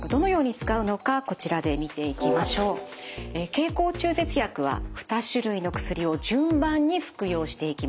経口中絶薬は２種類の薬を順番に服用していきます。